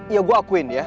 ya gua akuin ya